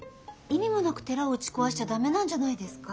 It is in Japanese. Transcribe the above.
意味もなく寺を打ち壊しちゃ駄目なんじゃないですか？